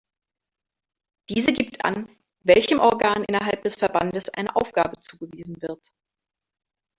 Diese gibt an, welchem Organ innerhalb des Verbandes eine Aufgabe zugewiesen wird.